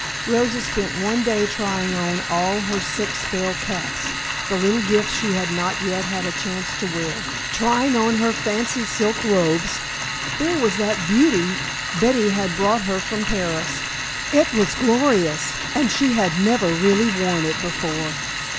Rosa spent one day trying on all her sick spell caps, the little gifts she had not yet had a chance to wear, trying on her fancy silk robes there was that beauty, Betty had brought her from Paris, it was glorious and she had never really worn it before.